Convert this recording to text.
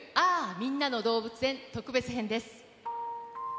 みんなの動物園特別編です。